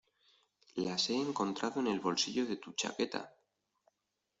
las he encontrado en el bolsillo de tu chaqueta